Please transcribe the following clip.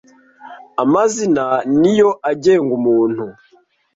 Amazina niyo agenga umuntu